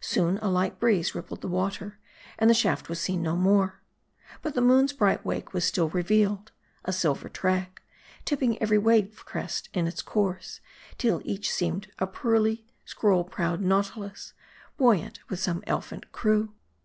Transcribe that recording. Soon a light breeze rippled the water, and the shaft was seen no more. But the moon's bright wake was still revealed : a silver track, tipping every wave crest in its course, till each seemed a pearly, scroll prowed nautilus, buoyant with some elfin crew.